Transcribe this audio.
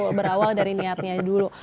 betul berawal dari niatnya dulu